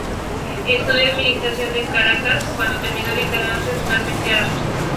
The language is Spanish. Estudio administración en Caracas, pero terminó dedicándose totalmente a las música.